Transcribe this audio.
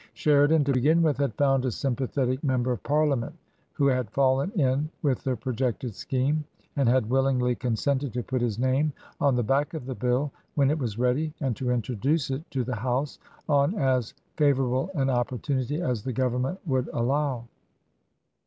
Sheridan, to begin with, had found a sympathetic member of Parliament who had fallen in with the pro jected scheme, and had willingly consented to put his name on the back of the Bill when it was ready, and to introduce it to the House on as favourable an opportunity as the Government would allow.